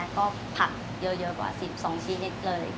ก็ผักเยอะเยอะกว่า๑๒ชิ้นนิตเลย